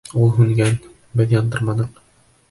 Ул һүнгән, беҙ яндырманыҡ.